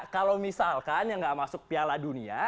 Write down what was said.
kalau misalkan yang nggak masuk piala dunia